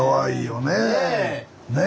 ねえ。